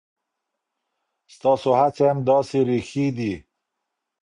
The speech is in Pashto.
ستاسې هڅې هم داسې ریښې دي.